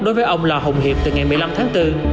đối với ông lò hồng hiệp từ ngày một mươi năm tháng bốn